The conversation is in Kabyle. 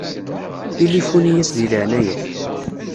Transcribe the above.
Tilifuni-yas di leɛnaya-k.